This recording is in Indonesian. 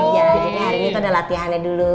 jadi hari ini kan ada latihannya dulu